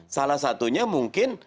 salah satunya mungkin